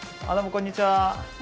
こんにちは。